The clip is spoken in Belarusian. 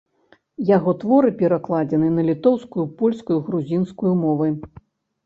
Яго творы перакладзены на літоўскую, польскую, грузінскую мовы.